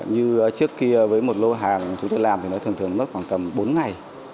như trước kia với một lô hàng chúng tôi làm thì nói thường thường mất khoảng tầm bốn ngày